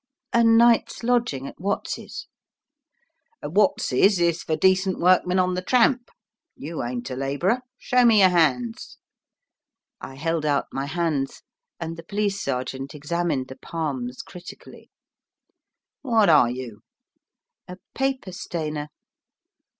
"A night's lodging at Watts's." "Watts's is for decent workmen on the tramp. You ain't a labourer. Show me your hands." I held out my hands, and the police sergeant examined the palms critically. "What are you?" "A paper stainer."